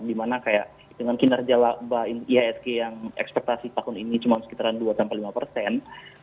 di mana kayak dengan kinerja laba iisg yang ekspektasi tahun ini cuma sekitaran dua lima persen